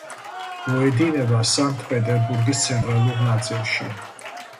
მოედინება სანქტ-პეტერბურგის ცენტრალურ ნაწილში.